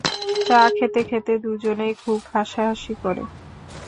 চা খেতে-খেতে দুইজনেই খুব হাসাহাসি করে।